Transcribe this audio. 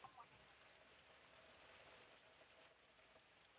احمد له پاره پاتې پيسې تورې خاورې کړې.